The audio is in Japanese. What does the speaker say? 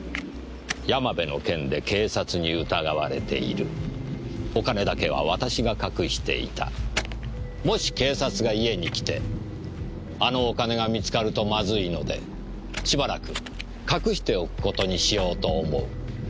「山部の件で警察に疑われている」「お金だけは私が隠していた」「もし警察が家に来てあのお金が見つかるとまずいのでしばらく隠しておくことにしようと思う」